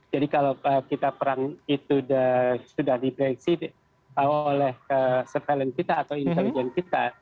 jadi kalau kita perang itu sudah diperiksi oleh surveillance kita atau intelijen kita